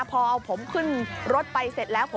ขอบคุณครับ